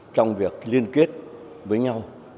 trong việc liên kết với nhau